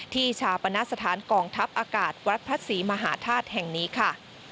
ชาปณสถานกองทัพอากาศวัดพระศรีมหาธาตุแห่งนี้ค่ะ